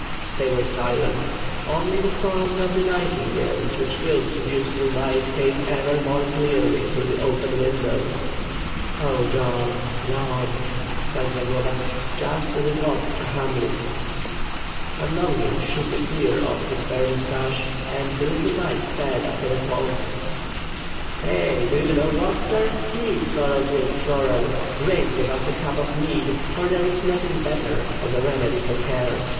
They were silent. Only the song of the nightingales which filled the beautiful night came ever more clearly through the open window. "Oh God, God!" sighed Zagloba. "Just as it was at Ka hamlik." Pan Longin shook a tear ofiE his fair moustache, and the little knight said, after a pause: "Eh! Do you know what, sir? Leave sorrow to its sorrow. Drink with us a cup of mead, for there is nothing better as a remedy for care.